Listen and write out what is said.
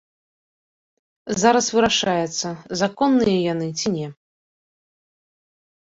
Зараз вырашаецца законныя яны, ці не.